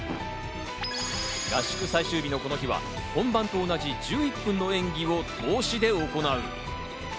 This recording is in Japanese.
合宿最終日のこの日は本番と同じ１１分の演技を通しで行う。